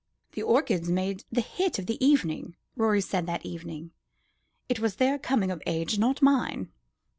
"The orchids made the hit of the evening," Rorie said afterwards. "It was their coming of age, not mine."